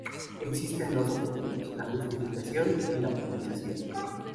Existen dos objetivos; la justificación y la optimización.